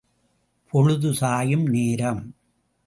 பொழுது சாயும் நேரம்.